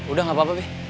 udah gak apa apa be